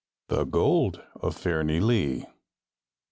The Gold of Fairnilee.